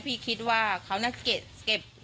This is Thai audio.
พี่คิดว่าเขาน่าเก็บ